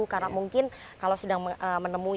karena mungkin kalau sedang menemui